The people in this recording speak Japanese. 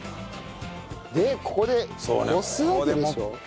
でここでこすわけでしょ？